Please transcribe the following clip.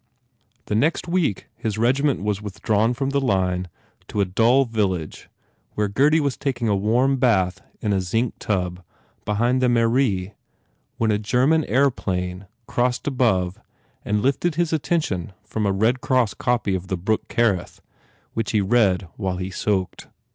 The next week his regiment was withdrawn from the line to a dull village where Gurdy was taking a warm bath in a zinc tub behind the Mairie when a German aeroplane crossed above and lifted his attention from a Red Cross copy of "The Brook Kerith" which he read while he soaked.